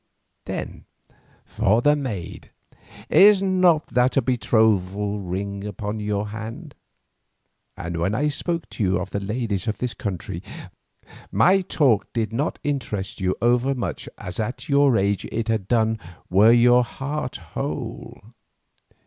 Then for the maid, is not that a betrothal ring upon your hand? And when I spoke to you of the ladies of this country, my talk did not interest you overmuch as at your age it had done were you heart whole.